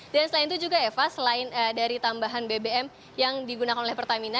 dan selain itu juga eva selain dari tambahan bbm yang digunakan oleh pertamina